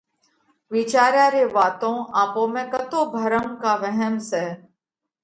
وِيچاريا ري واتون آپون ۾ ڪتو ڀرم ڪا وهم سئہ؟